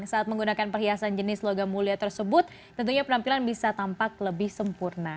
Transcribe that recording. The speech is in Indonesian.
saat menggunakan perhiasan jenis logam mulia tersebut tentunya penampilan bisa tampak lebih sempurna